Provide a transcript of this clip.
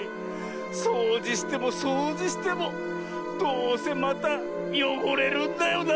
そうじしてもそうじしてもどうせまたよごれるんだよな。